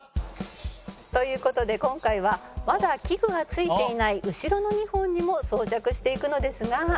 という事で今回はまだ器具がついていない後ろの２本にも装着していくのですが」